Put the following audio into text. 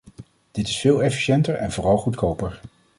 Dit is veel efficiënter en vooral goedkoper.